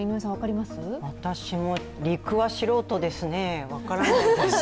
私も陸は素人ですね、分からない